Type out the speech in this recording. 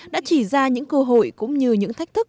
đã chỉ ra những cơ hội cũng như những thách thức